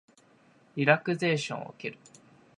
リラクゼーションを受ける